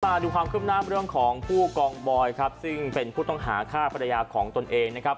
มาดูความคึ้มน้ำเรื่องของผู้กองบอยซึ่งเป็นผู้ต้องหาฆ่าภรรยาของตนเอง